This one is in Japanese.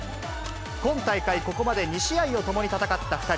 今大会、ここまで２試合を共に戦った２人。